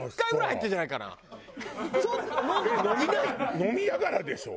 飲みながらでしょ？